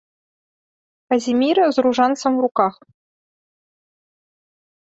Казіміра з ружанцам у руках.